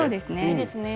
いいですね。